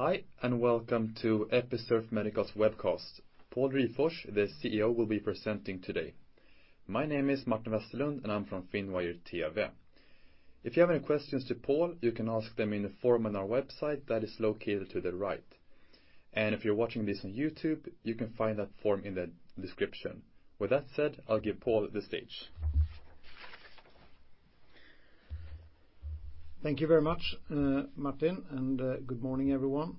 Hi, and welcome to Episurf Medical's webcast. Pål Ryfors, the CEO, will be presenting today. My name is Martin Westerlund, and I'm from Finwire TV. If you have any questions to Pål, you can ask them in the form on our website that is located to the right. If you're watching this on YouTube, you can find that form in the description. With that said, I'll give Pål the stage. Thank you very much, Martin. Good morning, everyone.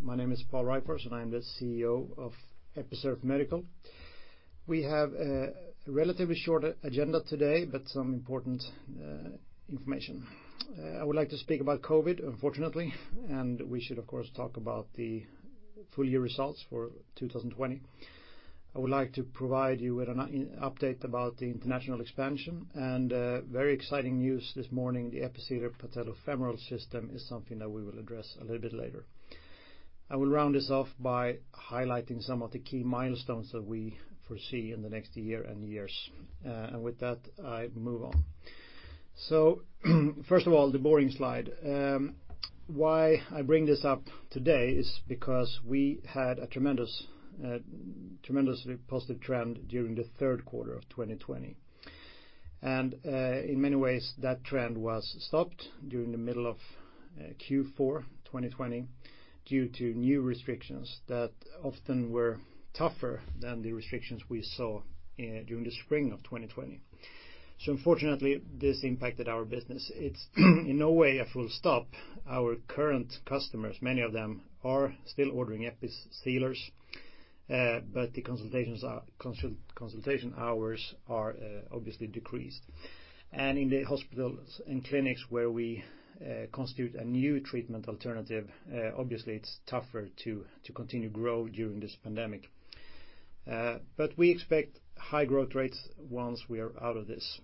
My name is Pål Ryfors, and I am the CEO of Episurf Medical. We have a relatively short agenda today, but some important information. I would like to speak about COVID, unfortunately, and we should, of course, talk about the full year results for 2020. I would like to provide you with an update about the international expansion and very exciting news this morning, the Episealer Patellofemoral System is something that we will address a little bit later. I will round this off by highlighting some of the key milestones that we foresee in the next year and years. With that, I move on. First of all, the boring slide. Why I bring this up today is because we had a tremendously positive trend during the third quarter of 2020. In many ways, that trend was stopped during the middle of Q4 2020 due to new restrictions that often were tougher than the restrictions we saw during the spring of 2020. Unfortunately, this impacted our business. It's in no way a full stop. Our current customers, many of them are still ordering Episealers, but the consultation hours are obviously decreased. In the hospitals and clinics where we constitute a new treatment alternative, obviously, it's tougher to continue to grow during this pandemic. We expect high growth rates once we are out of this.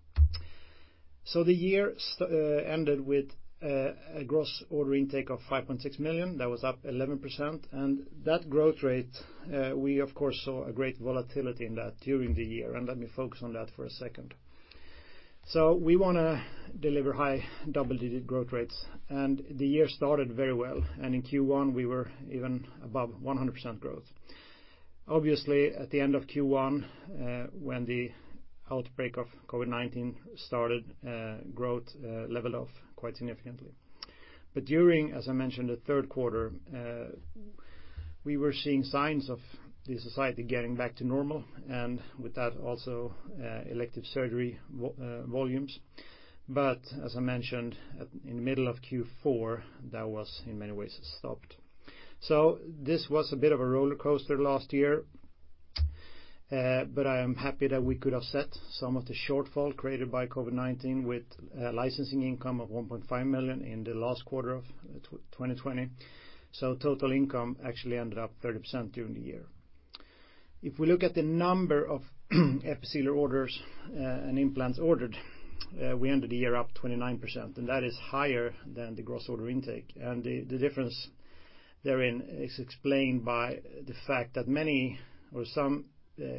The year ended with a gross order intake of 5.6 million. That was up 11%. That growth rate, we of course, saw a great volatility in that during the year, and let me focus on that for a second. We want to deliver high double-digit growth rates, and the year started very well. In Q1, we were even above 100% growth. Obviously, at the end of Q1, when the outbreak of COVID-19 started, growth leveled off quite significantly. During, as I mentioned, the third quarter, we were seeing signs of the society getting back to normal, and with that, also elective surgery volumes. As I mentioned, in the middle of Q4, that was in many ways stopped. This was a bit of a roller coaster last year, but I am happy that we could offset some of the shortfall created by COVID-19 with licensing income of 1.5 million in the last quarter of 2020. Total income actually ended up 30% during the year. If we look at the number of Episealer orders and implants ordered, we ended the year up 29%, and that is higher than the gross order intake. The difference therein is explained by the fact that many or some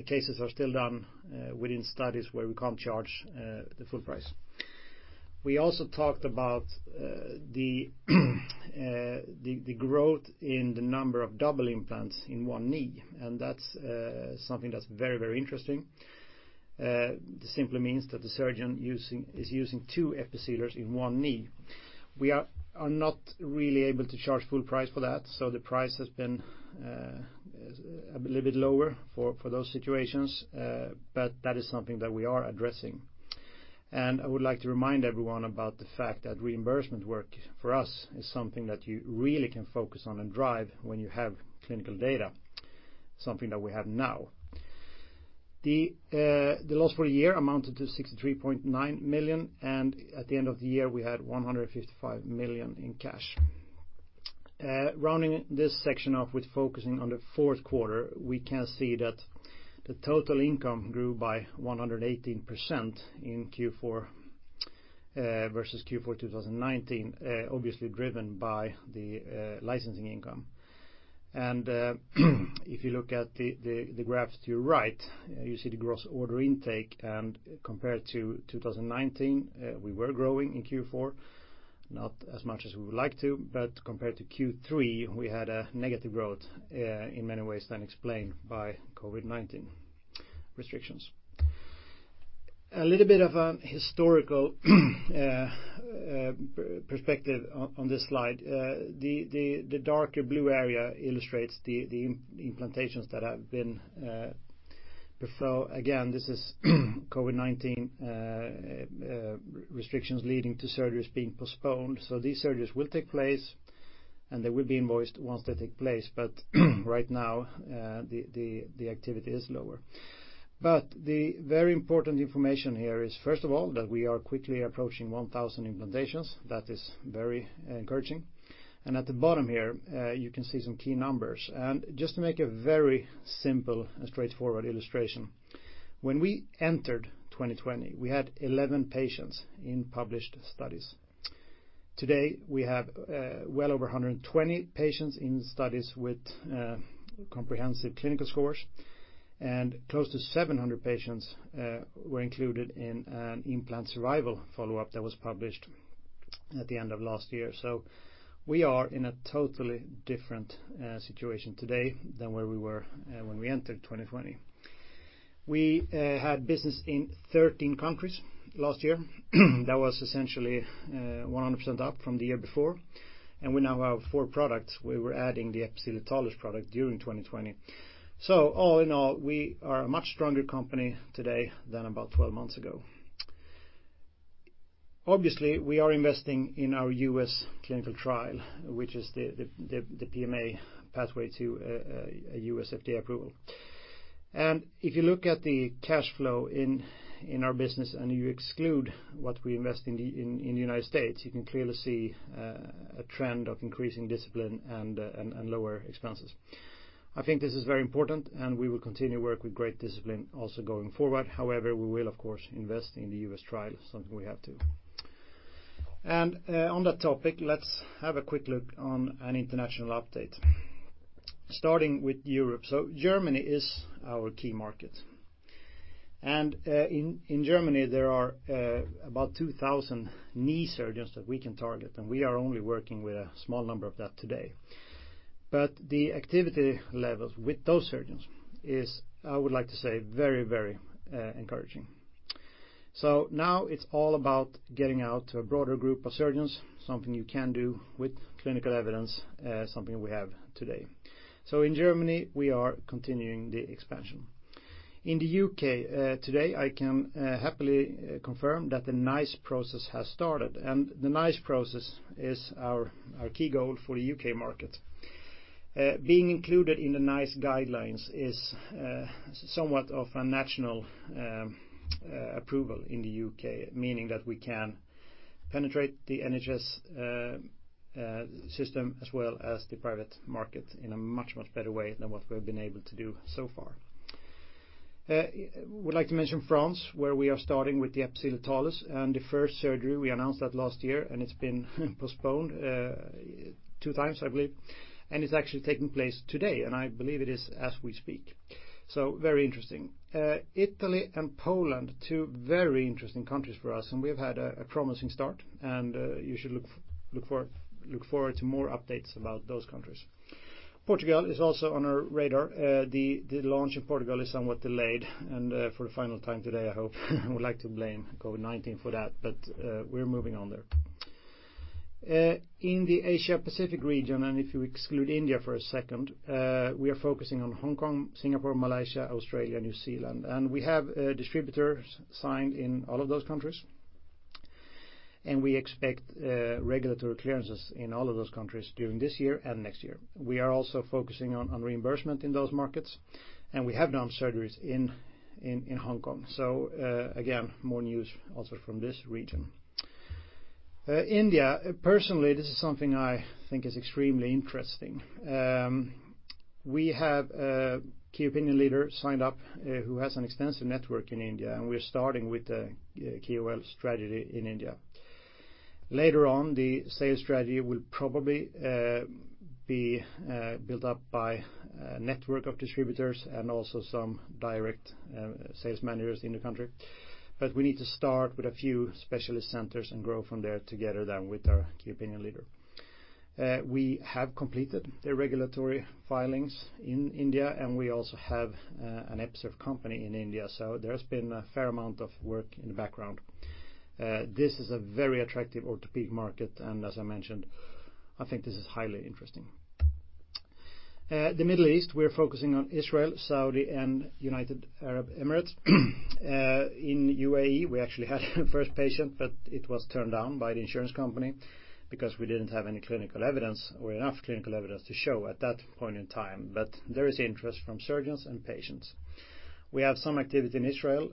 cases are still done within studies where we can't charge the full price. We also talked about the growth in the number of double implants in one knee, and that's something that's very, very interesting. This simply means that the surgeon is using two Episealers in one knee. We are not really able to charge full price for that, so the price has been a little bit lower for those situations. That is something that we are addressing. I would like to remind everyone about the fact that reimbursement work for us is something that you really can focus on and drive when you have clinical data, something that we have now. The loss for the year amounted to 63.9 million, and at the end of the year, we had 155 million in cash. Rounding this section off with focusing on the fourth quarter, we can see that the total income grew by 118% in Q4 versus Q4 2019, obviously driven by the licensing income. If you look at the graphs to your right, you see the gross order intake, and compared to 2019, we were growing in Q4, not as much as we would like to, but compared to Q3, we had a negative growth in many ways than explained by COVID-19 restrictions. A little bit of a historical perspective on this slide. The darker blue area illustrates the implantations that have been deferred. Again, this is COVID-19 restrictions leading to surgeries being postponed. These surgeries will take place, and they will be invoiced once they take place. Right now, the activity is lower. The very important information here is, first of all, that we are quickly approaching 1,000 implantations. That is very encouraging. At the bottom here, you can see some key numbers. Just to make a very simple and straightforward illustration. When we entered 2020, we had 11 patients in published studies. Today, we have well over 120 patients in studies with comprehensive clinical scores, and close to 700 patients were included in an implant survival follow-up that was published at the end of last year. We are in a totally different situation today than where we were when we entered 2020. We had business in 13 countries last year. That was essentially 100% up from the year before. We now have four products. We were adding the Episealer Talus product during 2020. All in all, we are a much stronger company today than about 12 months ago. Obviously, we are investing in our U.S. clinical trial, which is the PMA pathway to a U.S. FDA approval. If you look at the cash flow in our business, and you exclude what we invest in the United States, you can clearly see a trend of increasing discipline and lower expenses. I think this is very important. We will continue to work with great discipline also going forward. However, we will, of course, invest in the U.S. trial, something we have to. On that topic, let's have a quick look on an international update, starting with Europe. Germany is our key market. In Germany, there are about 2,000 knee surgeons that we can target, and we are only working with a small number of that today. The activity levels with those surgeons is, I would like to say, very, very encouraging. Now it's all about getting out to a broader group of surgeons, something you can do with clinical evidence, something we have today. In Germany, we are continuing the expansion. In the U.K., today, I can happily confirm that the NICE process has started, and the NICE process is our key goal for the U.K. market. Being included in the NICE guidelines is somewhat of a national approval in the U.K., meaning that we can penetrate the NHS system as well as the private market in a much, much better way than what we've been able to do so far. Would like to mention France, where we are starting with the Episealer Talus and the first surgery, we announced that last year, and it's been postponed two times, I believe. It's actually taking place today, and I believe it is as we speak, so very interesting. Italy and Poland, two very interesting countries for us, and we've had a promising start, and you should look forward to more updates about those countries. Portugal is also on our radar. The launch in Portugal is somewhat delayed, and for the final time today, I hope I would like to blame COVID-19 for that, but we're moving on there. In the Asia-Pacific region, and if you exclude India for a second, we are focusing on Hong Kong, Singapore, Malaysia, Australia, New Zealand, and we have distributors signed in all of those countries, and we expect regulatory clearances in all of those countries during this year and next year. We are also focusing on reimbursement in those markets, and we have done surgeries in Hong Kong. Again, more news also from this region. India, personally, this is something I think is extremely interesting. We have a key opinion leader signed up who has an extensive network in India, and we're starting with a KOL strategy in India. Later on, the sales strategy will probably be built up by a network of distributors and also some direct sales managers in the country. We need to start with a few specialist centers and grow from there together then with our key opinion leader. We have completed the regulatory filings in India. We also have an Episurf company in India. There's been a fair amount of work in the background. This is a very attractive orthopedic market. As I mentioned, I think this is highly interesting. The Middle East, we're focusing on Israel, Saudi, and United Arab Emirates. In UAE, we actually had the first patient. It was turned down by the insurance company because we didn't have any clinical evidence or enough clinical evidence to show at that point in time. There is interest from surgeons and patients. We have some activity in Israel,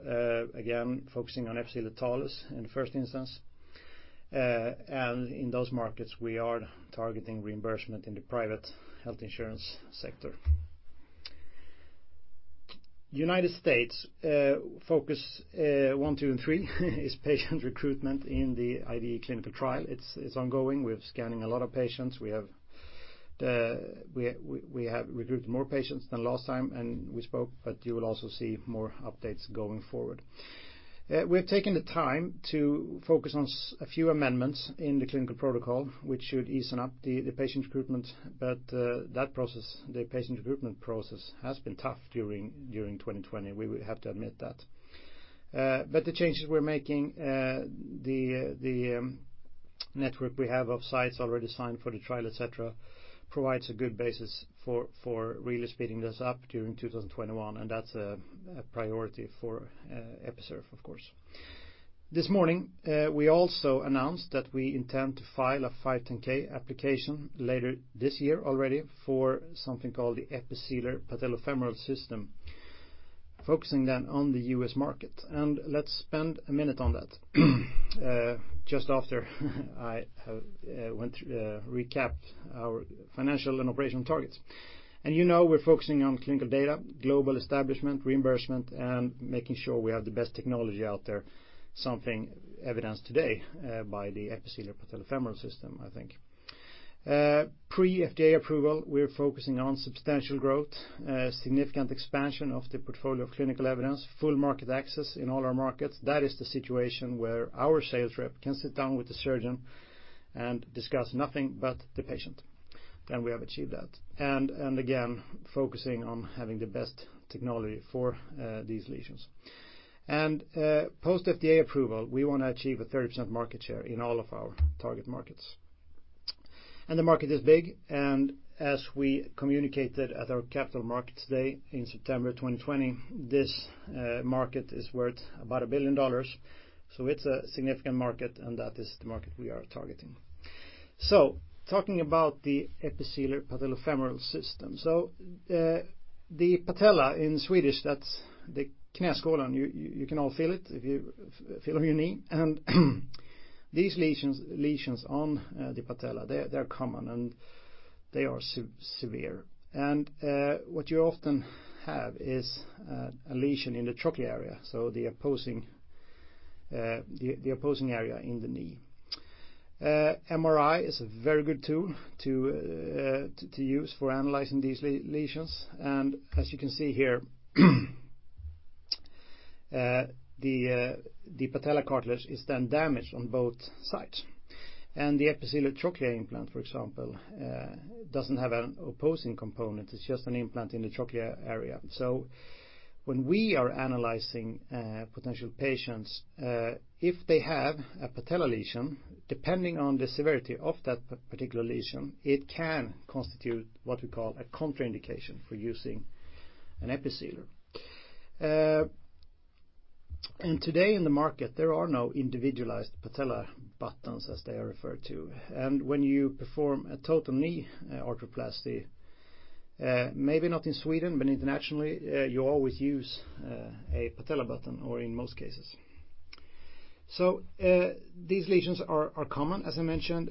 again, focusing on Episealer Talus in the first instance. In those markets, we are targeting reimbursement in the private health insurance sector. United States, focus one, two, and three is patient recruitment in the IDE clinical trial. It's ongoing. We're scanning a lot of patients. We have recruited more patients than last time, and we spoke, but you will also see more updates going forward. We've taken the time to focus on a few amendments in the clinical protocol, which should ease up the patient recruitment. That process, the patient recruitment process, has been tough during 2020. We have to admit that. The changes we're making, the network we have of sites already signed for the trial, et cetera, provides a good basis for really speeding this up during 2021, and that's a priority for Episurf, of course. This morning, we also announced that we intend to file a 510(k) application later this year already for something called the Episealer Patellofemoral System, focusing then on the U.S. market. Let's spend a minute on that. Just after I have recap our financial and operational targets. You know we're focusing on clinical data, global establishment, reimbursement, and making sure we have the best technology out there, something evidenced today by the Episealer Patellofemoral System, I think. Pre-FDA approval, we are focusing on substantial growth, significant expansion of the portfolio of clinical evidence, full market access in all our markets. That is the situation where our sales rep can sit down with the surgeon and discuss nothing but the patient. We have achieved that. Again, focusing on having the best technology for these lesions. Post FDA approval, we want to achieve a 30% market share in all of our target markets. The market is big, and as we communicated at our Capital Markets Day in September 2020, this market is worth about $1 billion, so it's a significant market, and that is the market we are targeting. Talking about the Episealer Patellofemoral System. The patella in Swedish, that's the knäskålen. You can all feel it if you feel on your knee. These lesions on the patella, they're common, and they are severe. What you often have is a lesion in the trochlear area, the opposing area in the knee. MRI is a very good tool to use for analyzing these lesions. As you can see here, the patella cartilage is then damaged on both sides. The Episealer Trochlea implant, for example, doesn't have an opposing component. It's just an implant in the trochlear area. When we are analyzing potential patients, if they have a patella lesion, depending on the severity of that particular lesion, it can constitute what we call a contraindication for using an Episealer. Today in the market, there are no individualized patella buttons, as they are referred to. When you perform a total knee arthroplasty, maybe not in Sweden, but internationally, you always use a patella button or in most cases. These lesions are common, as I mentioned.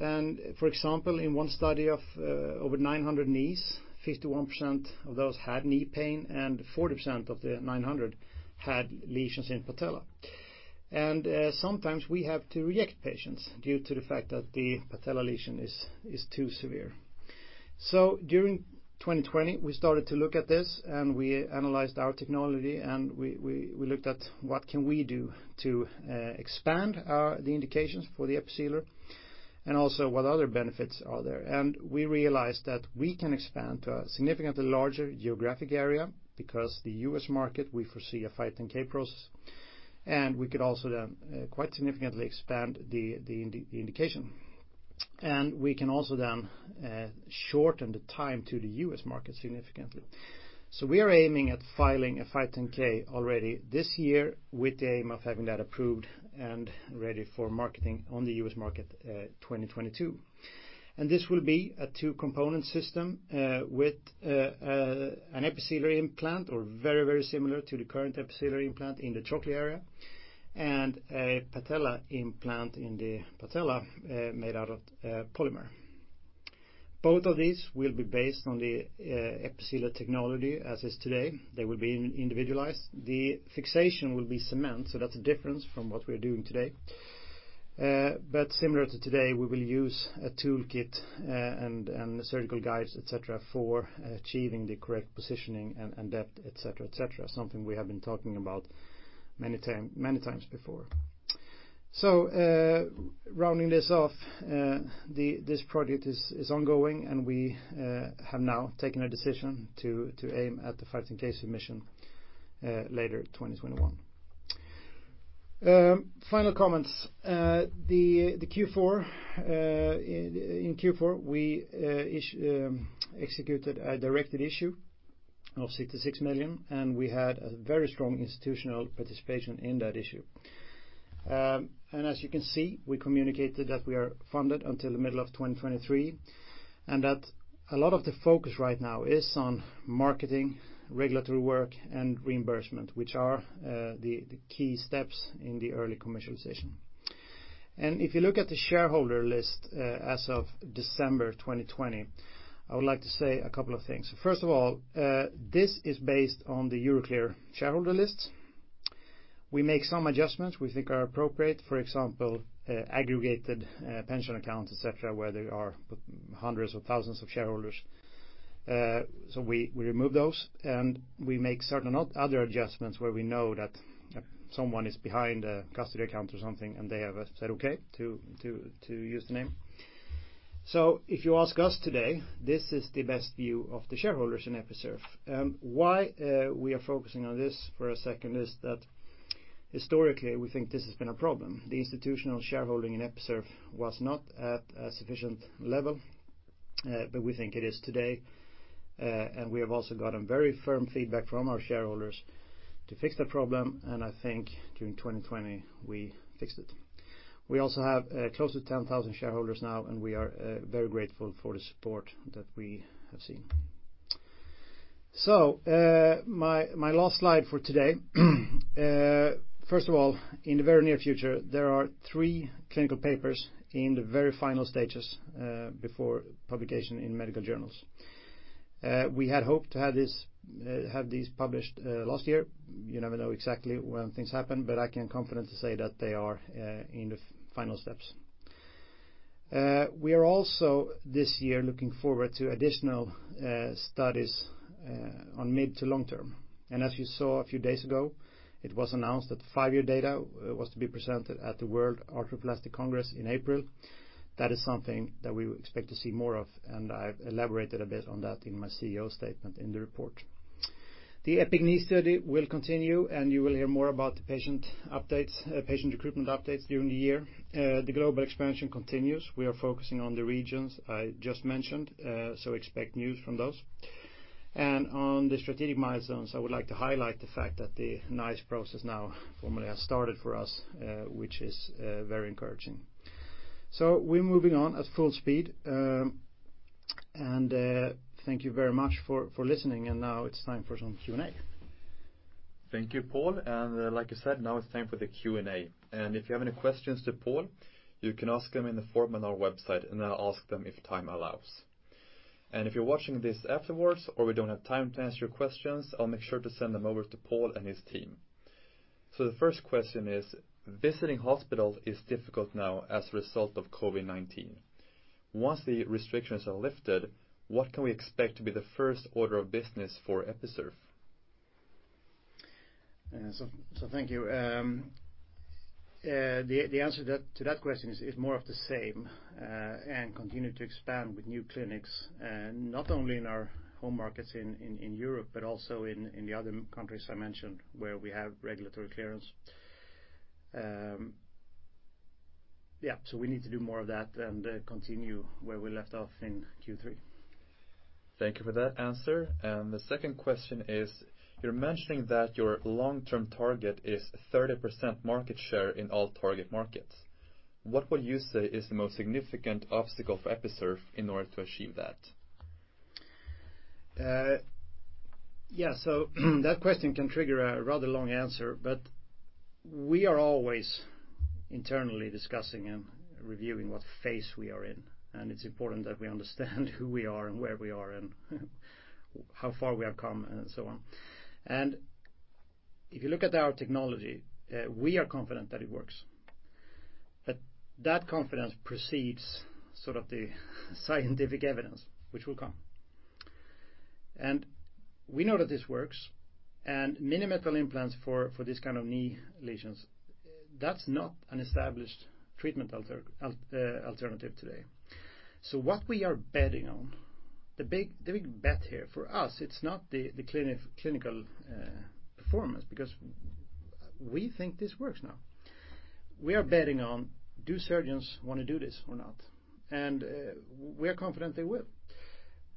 For example, in one study of over 900 knees, 51% of those had knee pain, and 40% of the 900 had lesions in patella. Sometimes we have to reject patients due to the fact that the patella lesion is too severe. During 2020, we started to look at this, and we analyzed our technology, and we looked at what can we do to expand the indications for the Episealer and also what other benefits are there. We realized that we can expand to a significantly larger geographic area because the U.S. market, we foresee a 510(k) process, and we could also then quite significantly expand the indication. We can also then shorten the time to the U.S. market significantly. We are aiming at filing a 510(k) already this year with the aim of having that approved and ready for marketing on the U.S. market 2022. This will be a two-component system with an Episealer implant or very, very similar to the current Episealer implant in the trochlear area and a patella implant in the patella made out of polymer. Both of these will be based on the Episealer technology as is today. They will be individualized. The fixation will be cement, that's a difference from what we're doing today. Similar to today, we will use a toolkit and the surgical guides, et cetera, for achieving the correct positioning and depth, et cetera. Something we have been talking about many times before. Rounding this off, this project is ongoing, and we have now taken a decision to aim at the 510(k) submission later 2021. Final comments. In Q4, we executed a directed issue of 66 million, and we had a very strong institutional participation in that issue. As you can see, we communicated that we are funded until the middle of 2023, and that a lot of the focus right now is on marketing, regulatory work, and reimbursement, which are the key steps in the early commercialization. If you look at the shareholder list as of December 2020, I would like to say a couple of things. First of all, this is based on the Euroclear shareholder list. We make some adjustments we think are appropriate. For example, aggregated pension accounts, et cetera, where there are hundreds of thousands of shareholders. We remove those, and we make certain other adjustments where we know that someone is behind a custody account or something, and they have said okay to use the name. If you ask us today, this is the best view of the shareholders in Episurf. Why we are focusing on this for a second is that historically, we think this has been a problem. The institutional shareholding in Episurf was not at a sufficient level, but we think it is today. We have also gotten very firm feedback from our shareholders to fix that problem, and I think during 2020 we fixed it. We also have close to 10,000 shareholders now, and we are very grateful for the support that we have seen. My last slide for today. First of all, in the very near future, there are three clinical papers in the very final stages before publication in medical journals. We had hoped to have these published last year. You never know exactly when things happen, but I can confidently say that they are in the final steps. We are also this year looking forward to additional studies on mid to long-term. As you saw a few days ago, it was announced that the five-year data was to be presented at the World Arthroplasty Congress in April. That is something that we expect to see more of, and I've elaborated a bit on that in my CEO statement in the report. The EPIC-Knee study will continue, and you will hear more about the patient recruitment updates during the year. The global expansion continues. We are focusing on the regions I just mentioned, so expect news from those. On the strategic milestones, I would like to highlight the fact that the NICE process now formally has started for us, which is very encouraging. We're moving on at full speed. Thank you very much for listening. Now it's time for some Q&A. Thank you, Pål. Like you said, now it's time for the Q&A. If you have any questions to Pål, you can ask him in the form on our website, and I'll ask them if time allows. If you're watching this afterwards or we don't have time to answer your questions, I'll make sure to send them over to Pål and his team. The first question is: visiting hospitals is difficult now as a result of COVID-19. Once the restrictions are lifted, what can we expect to be the first order of business for Episurf? Thank you. The answer to that question is more of the same, and continue to expand with new clinics, not only in our home markets in Europe, but also in the other countries I mentioned where we have regulatory clearance. Yeah, we need to do more of that and continue where we left off in Q3. Thank you for that answer. The second question is: you're mentioning that your long-term target is 30% market share in all target markets. What would you say is the most significant obstacle for Episurf in order to achieve that? Yeah, that question can trigger a rather long answer, but we are always internally discussing and reviewing what phase we are in, and it's important that we understand who we are and where we are and how far we have come and so on. If you look at our technology, we are confident that it works. That confidence precedes sort of the scientific evidence, which will come. We know that this works, and mini metal implants for this kind of knee lesions, that's not an established treatment alternative today. What we are betting on, the big bet here for us, it's not the clinical performance because we think this works now. We are betting on do surgeons want to do this or not, and we're confident they will,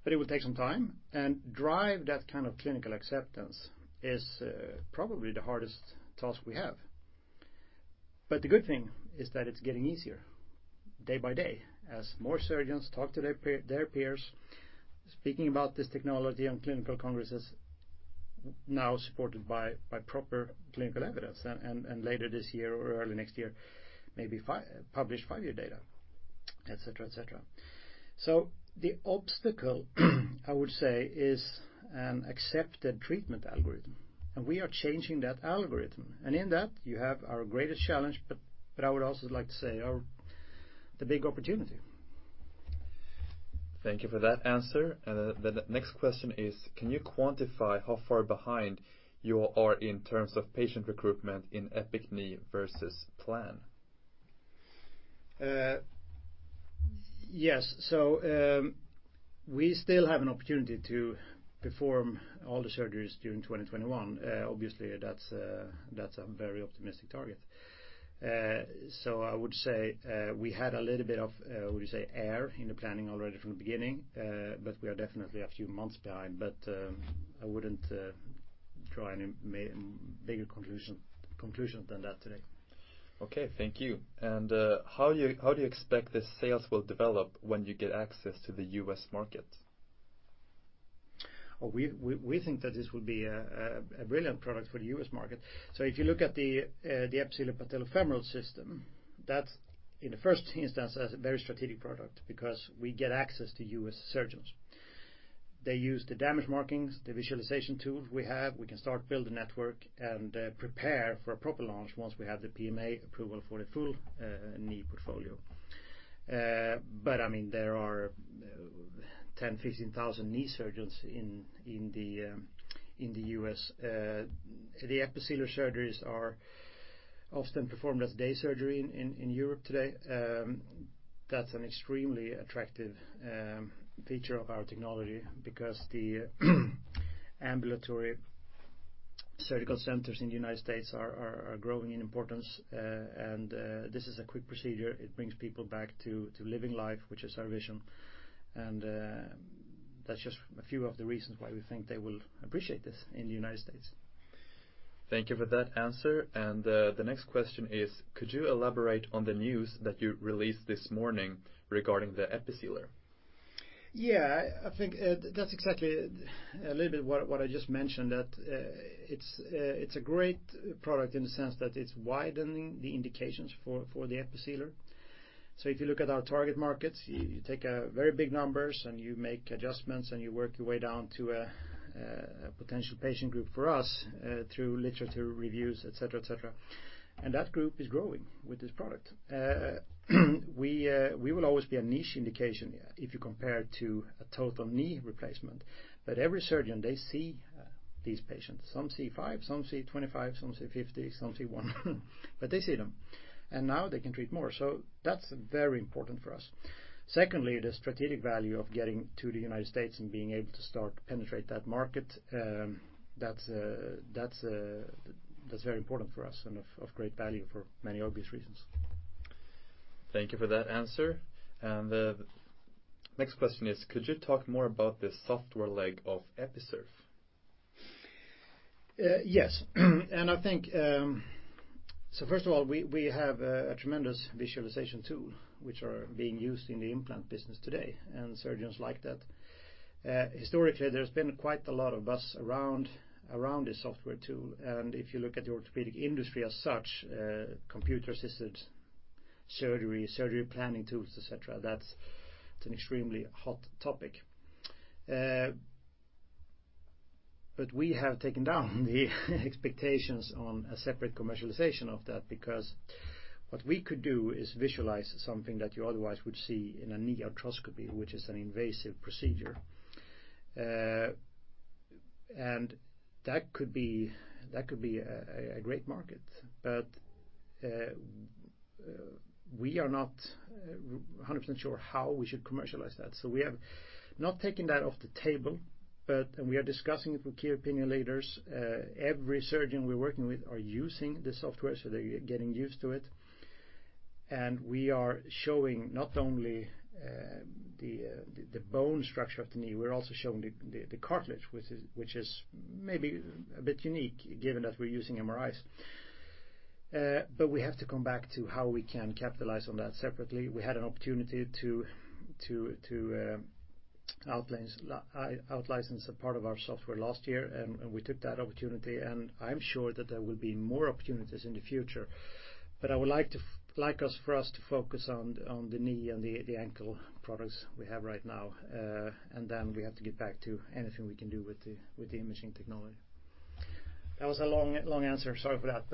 but it will take some time and drive that kind of clinical acceptance is probably the hardest task we have. The good thing is that it's getting easier day by day as more surgeons talk to their peers, speaking about this technology on clinical congresses now supported by proper clinical evidence and later this year or early next year, maybe publish five-year data, et cetera. The obstacle, I would say, is an accepted treatment algorithm, and we are changing that algorithm. In that, you have our greatest challenge, but I would also like to say the big opportunity. Thank you for that answer. The next question is: can you quantify how far behind you are in terms of patient recruitment in EPIC-Knee versus plan? Yes. We still have an opportunity to perform all the surgeries during 2021. Obviously, that's a very optimistic target. I would say we had a little bit of, how would you say, air in the planning already from the beginning. We are definitely a few months behind, but I wouldn't draw any bigger conclusion than that today. Okay. Thank you. How do you expect the sales will develop when you get access to the U.S. market? We think that this will be a brilliant product for the U.S. market. If you look at the Episealer Patellofemoral System, that's in the first instance, is a very strategic product because we get access to U.S. surgeons. They use the damage markings, the visualization tools we have. We can start build a network and prepare for a proper launch once we have the PMA approval for the full knee portfolio. There are 10,000, 15,000 knee surgeons in the U.S. The Episealer surgeries are often performed as day surgery in Europe today. That's an extremely attractive feature of our technology because the ambulatory surgical centers in the United States are growing in importance. This is a quick procedure. It brings people back to living life, which is our vision, and that's just a few of the reasons why we think they will appreciate this in the United States. Thank you for that answer. The next question is: could you elaborate on the news that you released this morning regarding the Episealer? Yeah, I think that's exactly a little bit what I just mentioned, that it's a great product in the sense that it's widening the indications for the Episealer. If you look at our target markets, you take very big numbers, and you make adjustments, and you work your way down to a potential patient group for us through literature reviews, et cetera. That group is growing with this product. We will always be a niche indication if you compare it to a total knee replacement. Every surgeon, they see these patients. Some see five, some see 25, some see 50, some see 100. They see them. Now they can treat more. That's very important for us. Secondly, the strategic value of getting to the United States and being able to start to penetrate that market, that's very important for us and of great value for many obvious reasons. Thank you for that answer. The next question is, could you talk more about the software leg of Episurf? Yes. First of all, we have a tremendous visualization tool, which are being used in the implant business today, and surgeons like that. Historically, there's been quite a lot of buzz around the software tool, and if you look at the orthopedic industry as such, computer-assisted surgery planning tools, et cetera, that's an extremely hot topic. We have taken down the expectations on a separate commercialization of that because what we could do is visualize something that you otherwise would see in a knee arthroscopy, which is an invasive procedure. That could be a great market. We are not 100% sure how we should commercialize that. We have not taken that off the table, and we are discussing it with key opinion leaders. Every surgeon we're working with are using the software, so they're getting used to it. We are showing not only the bone structure of the knee, we're also showing the cartilage, which is maybe a bit unique given that we're using MRIs. We have to come back to how we can capitalize on that separately. We had an opportunity to out-license a part of our software last year, and we took that opportunity, and I'm sure that there will be more opportunities in the future. I would like us for us to focus on the knee and the ankle products we have right now. We have to get back to anything we can do with the imaging technology. That was a long answer. Sorry for that.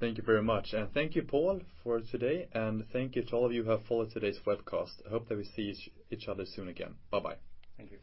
Thank you very much. Thank you, Pål, for today, and thank you to all of you who have followed today's webcast. I hope that we see each other soon again. Bye-bye. Thank you.